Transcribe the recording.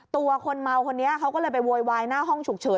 ตัวคนเมาคนนี้เขาก็เลยไปโวยวายหน้าห้องฉุกเฉิน